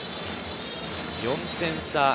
４点差。